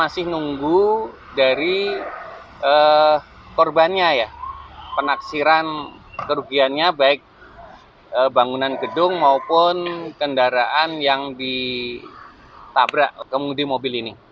masih nunggu dari korbannya ya penaksiran kerugiannya baik bangunan gedung maupun kendaraan yang ditabrak kemudi mobil ini